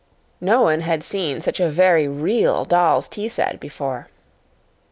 No one had seen such a very real doll's tea set before.